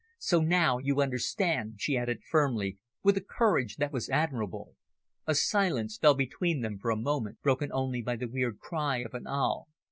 So now you understand," she added firmly, with a courage that was admirable. A silence fell between them for a moment, broken only by the weird cry of an owl.